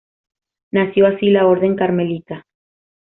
Nació así la orden carmelita.